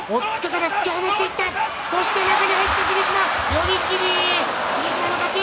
寄り切り、霧島の勝ち。